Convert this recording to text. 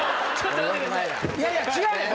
いやいや違うねん！